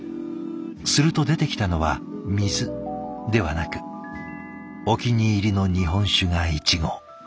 すると出てきたのは水ではなくお気に入りの日本酒が１合。